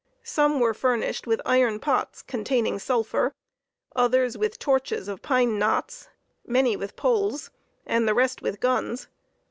Some were furnished with iron pots containing sulphur, others with torches of pine knots, many with poles, and the rest with guns.